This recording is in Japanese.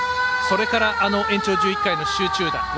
それから延長１１回の集中打。